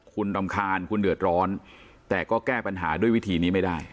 คุณรำคาญคุณเดือดร้อนแต่ก็แก้ปัญหาด้วยวิธีนี้ไม่ได้